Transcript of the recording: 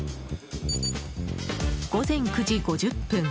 午前９時５０分。